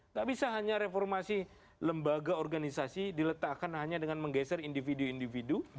tak bisa hanya reformasi lembaga organisasi diletakkan hanya dengan menggeser individu individu